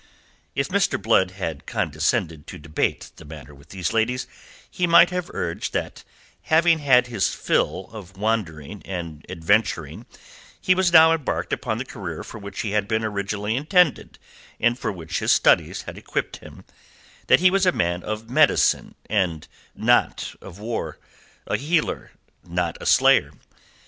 If Mr. Blood had condescended to debate the matter with these ladies, he might have urged that having had his fill of wandering and adventuring, he was now embarked upon the career for which he had been originally intended and for which his studies had equipped him; that he was a man of medicine and not of war; a healer, not a slayer.